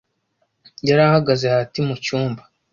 Yari ahagaze hagati mucyumba.